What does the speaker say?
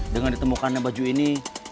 dengan ditemukan baju ini